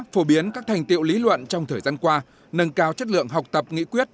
phổ biến các thành tiệu lý luận trong thời gian qua nâng cao chất lượng học tập nghị quyết